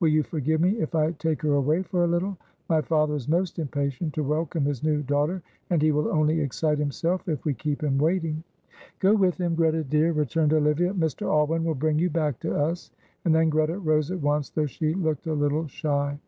Will you forgive me if I take her away for a little? My father is most impatient to welcome his new daughter, and he will only excite himself if we keep him waiting." "Go with him, Greta, dear," returned Olivia; "Mr. Alwyn will bring you back to us." And then Greta rose at once, though she looked a little shy.